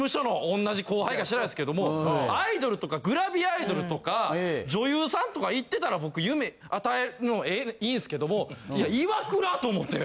同じ後輩か知らないですけどもアイドルとかグラビアアイドルとか女優さんとかいってたら僕夢与えんのいいんすけどもいやイワクラ！？と思って。